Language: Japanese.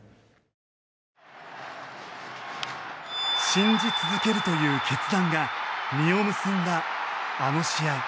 信じ続けるという決断が実を結んだあの試合。